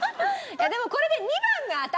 いやでもこれで。